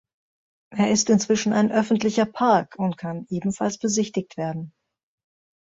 Er ist inzwischen ein öffentlicher Park und kann ebenfalls besichtigt werden.